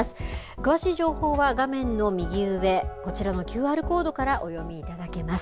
詳しい情報は、画面の右上、こちらのＱＲコードからお読みいただけます。